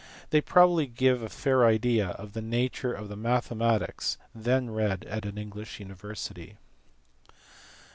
They probably give a fair idea of tin nature of the mathematics then read at an English uni versity.